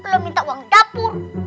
lo minta uang dapur